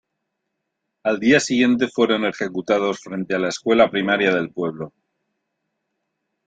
Al día siguiente fueron ejecutados frente a la escuela primaria del pueblo.